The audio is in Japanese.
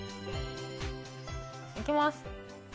いきます。